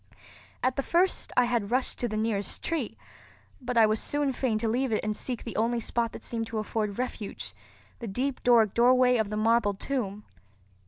At the first I had rushed to the nearest tree; but I was soon fain to leave it and seek the only spot that seemed to afford refuge, the deep Doric doorway of the marble tomb.